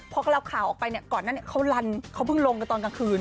พอก็ลาข่าวออกไปก่อนนั่นเขาพึ่งลงกับตอนกลางคืน